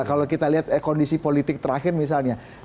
kalau kita lihat kondisi politik terakhir misalnya